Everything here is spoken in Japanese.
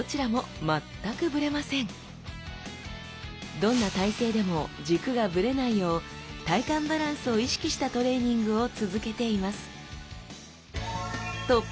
どんな体勢でも軸がブレないよう体幹バランスを意識したトレーニングを続けています